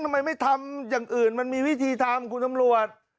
ทำไมไม่ทำอย่างอื่นมันมีวิธีทำคุณตำรวจ